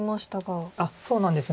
そうなんです。